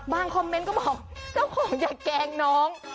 คอมเมนต์ก็บอกเจ้าของอย่าแกล้งน้อง